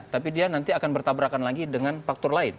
tapi dia nanti akan bertabrakan lagi dengan faktor lain